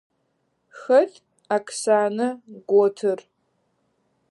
Хэт Оксанэ готыр?